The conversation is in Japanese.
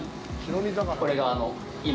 これが今。